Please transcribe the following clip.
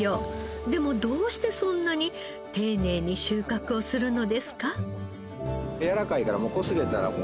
でもどうしてそんなに丁寧に収穫をするのですか？